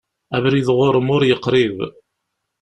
Abrid ɣur-m ur yeqrib.